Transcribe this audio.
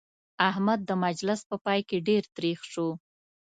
احمد د مجلس په پای کې ډېر تريخ شو.